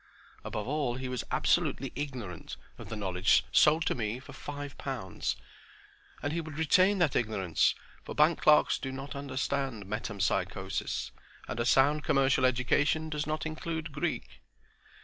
Above all he was absolutely ignorant of the knowledge sold to me for five pounds; and he would retain that ignorance, for bank clerks do not understand metempsychosis, and a sound commercial education does not include Greek.